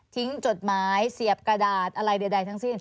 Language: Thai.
จดหมายเสียบกระดาษอะไรใดทั้งสิ้น